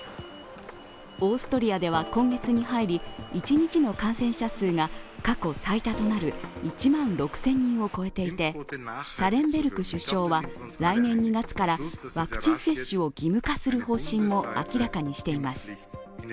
オーストリアでは今月に入り一日の感染者数が過去最多となる１万６０００人を超えていて、シャレンベルク首相は来年２月から、ワクチン接種を義務化する方針を明らかにしています。